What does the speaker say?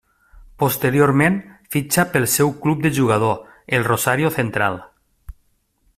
Posteriorment fitxa pel seu club de jugador, el Rosario Central.